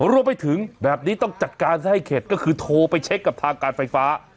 รวมไปถึงแบบนี้ต้องจัดการซะให้เข็ดก็คือโทรไปเช็คกับทางการไฟฟ้า